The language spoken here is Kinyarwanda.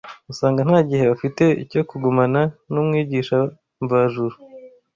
Usanga nta gihe bafite cyo kugumana n’Umwigisha mvajuru